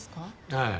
はい。